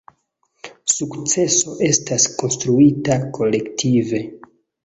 Sukceso estas konstruita kolektive.